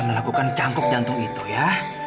melakukan cangkuk jantung itu ya